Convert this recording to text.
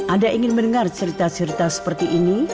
anda ingin mendengar cerita cerita seperti ini